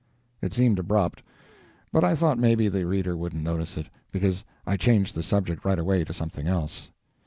It seemed abrupt, but I thought maybe the reader wouldn't notice it, because I changed the subject right away to something else.